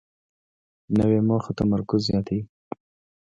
نوې موخه تمرکز زیاتوي